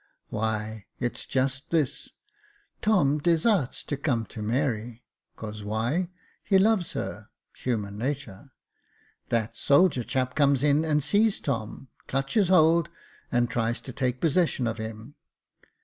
"Why, it's just this — Tom desarts to come to Mary. Cause why ?— he loves her — human natur. That soldier chap comes in and sees Tom, clutches hold, and tries to take possession of him.